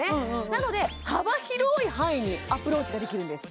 なので幅広い範囲にアプローチができるんです